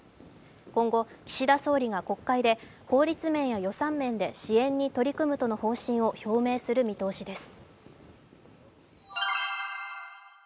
今後、岸田総理が国会で法律面や予算面で支援に取り組むとの方針を表明する見通しです。